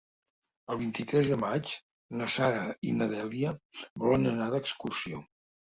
El vint-i-tres de maig na Sara i na Dèlia volen anar d'excursió.